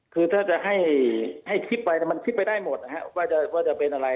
คือถ้าจะให้คิดไปมันคิดไปได้หมดนะครับว่าจะเป็นอะไร